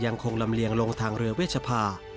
ยังคงลำเลียงลงทางเรือเวชภา